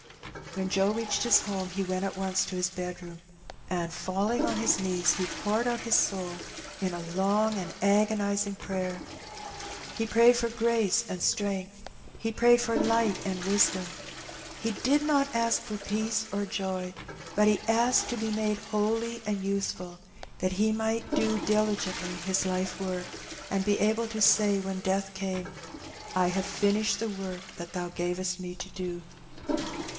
'' When Joe reached his home, he went at once to his bed room, and falling on his knees, he poured out his soul in a long and agonizing prayer. He prayed for grace and strength, he prayed for light and wisdom. He did not ask for peace or joy, but he asked to be made holy and useful, that he might do diligently his life work, and be able to say when death came, "I have finished the work that Thou gavest me to do."